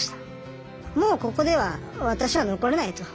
もうここでは私は残れないと。